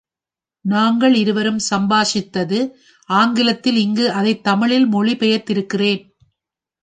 நாங்களிருவரும் சம்பாஷித்தது ஆங்கிலத்தில் இங்கு அதைத் தமிழில் மொழி பெயர்த்திருக்கிறேன்.